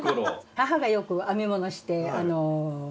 母がよく編み物してあの。